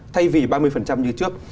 thay vì ba mươi như trước